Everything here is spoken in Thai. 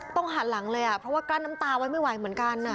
หันหลังเลยเพราะว่ากลั้นน้ำตาไว้ไม่ไหวเหมือนกัน